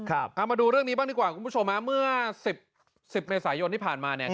เอามาดูเรื่องนี้บ้างดีกว่าคุณผู้ชมฮะเมื่อสิบสิบเมษายนที่ผ่านมาเนี่ย